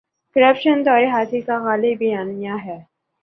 Corruption دور حاضر کا غالب بیانیہ ہے۔